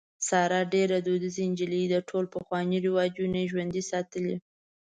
ساره ډېره دودیزه نجلۍ ده. ټول پخواني رواجونه یې ژوندي ساتلي.